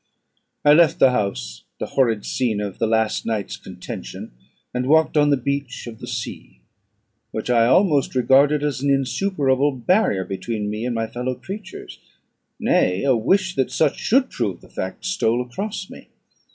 I left the house, the horrid scene of the last night's contention, and walked on the beach of the sea, which I almost regarded as an insuperable barrier between me and my fellow creatures; nay, a wish that such should prove the fact stole across me.